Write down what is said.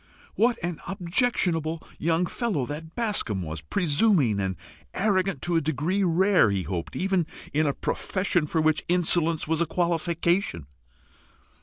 What an objectionable young fellow that Bascombe was! presuming and arrogant to a degree rare, he hoped, even in a profession for which insolence was a qualification.